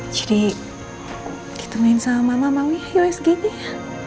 jadi ditemuin sama mama mau ya usg nya ya